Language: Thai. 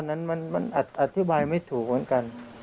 นั้นมันอธิบายไม่ถูกเหมือนกัน